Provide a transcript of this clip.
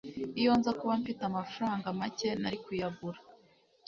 iyo nza kuba mfite amafaranga make, nari kuyagura